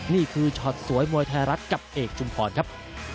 นี่คือช็อตสวยมวยไทยรัฐกับเอกชุมพรครับ